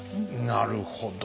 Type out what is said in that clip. なるほど。